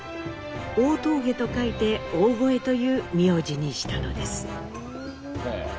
「大峠」と書いて「大峠」という名字にしたのです。